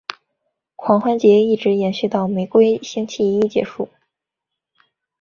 狂欢节一直延续到玫瑰星期一结束。